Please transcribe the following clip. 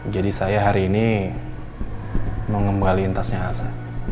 jadi saya hari ini mau ngembalikan tasnya asa